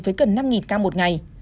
với cần năm ca một ngày